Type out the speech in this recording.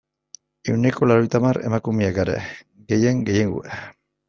Ehuneko laurogeita hamar emakumeak gara, gehien gehiengoa.